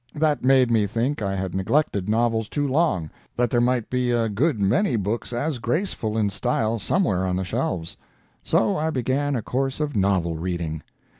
That made me think I had neglected novels too long—that there might be a good many books as graceful in style somewhere on the shelves; so I began a course of novel reading.